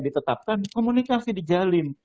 ditetapkan komunikasi dijalin